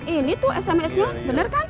ini tuh sms lu bener kan